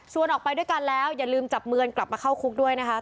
ส่วนออกไปด้วยกันแล้วอย่าลืมจับมือกลับมาเข้าคุกด้วยนะคะ